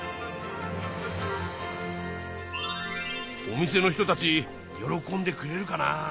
お店の人たち喜んでくれるかな？